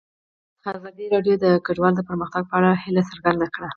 ازادي راډیو د کډوال د پرمختګ په اړه هیله څرګنده کړې.